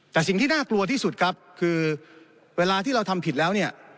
แต่สิ่งที่น่ากลัวที่สุดครับคือเวลาที่เราทำผิดแล้วเนี่ย